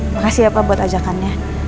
makasih ya pak buat ajakannya